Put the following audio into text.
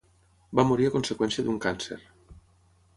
Va morir a conseqüència d'un càncer.